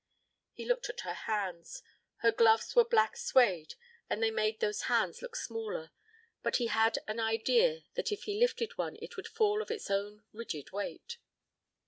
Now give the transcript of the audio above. He looked at her hands. Her gloves were black suede and they made those hands look smaller, but he had an idea that if he lifted one it would fall of its own rigid weight.